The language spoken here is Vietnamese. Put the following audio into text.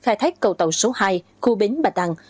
khai thác cầu tàu số hai khu bến bạch tăng